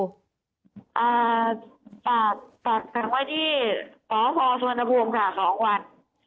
ตัดทั้งว่าที่สพสวนภูมิค่ะ๒วัน